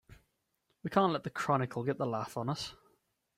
We can't let the Chronicle get the laugh on us!